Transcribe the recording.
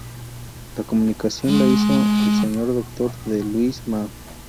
La comunicación la hizo el Sr. Dr. D. Luis Ma.